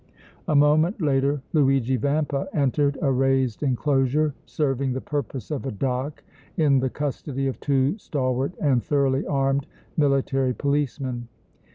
A moment later Luigi Vampa entered a raised enclosure serving the purpose of a dock in the custody of two stalwart and thoroughly armed military policemen.